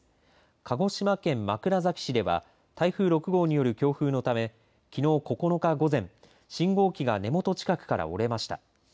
鹿児島県枕崎市では台風６号による強風のためきのう９日午前信号機が根元近くから折れました。